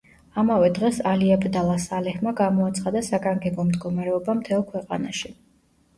ამავე დღეს ალი აბდალა სალეჰმა გამოაცხადა საგანგებო მდგომარეობა მთელ ქვეყანაში.